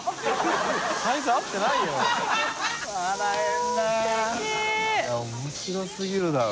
いや面白すぎるだろ。